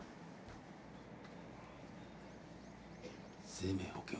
生命保険は？